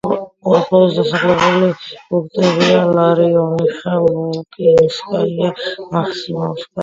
უახლოესი დასახლებული პუნქტებია: ლარიონიხა, ლუკინსკაია, მაქსიმოვსკაია.